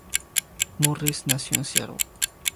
Morris nació en Seattle.